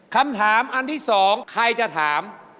คำถามอันที่๒ใครจะถาม